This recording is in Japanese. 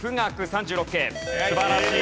素晴らしい。